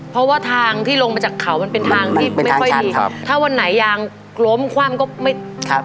เพราะว่าทางที่ลงมาจากเขามันเป็นทางที่ไม่ค่อยมีครับถ้าวันไหนยางล้มคว่ำก็ไม่ครับ